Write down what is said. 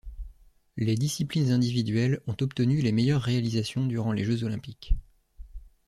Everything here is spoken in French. Les disciplines individuelles ont obtenu les meilleures réalisations durant les Jeux Olympiques.